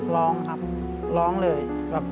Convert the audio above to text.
ร้องครับร้องเลย